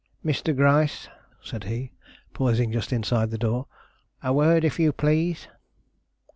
"Mr. Gryce," said he, pausing just inside the door; "a word if you please."